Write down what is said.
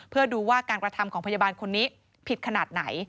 เพื่อดูว่าการกระทำของพยาบาลคนนี้ผิดขนาดไหน